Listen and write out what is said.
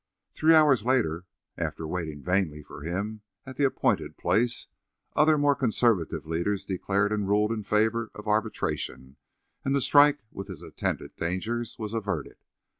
Three hours later, after waiting vainly for him at the appointed place, other more conservative leaders declared and ruled in favour of arbitration, and the strike with its attendant dangers was averted.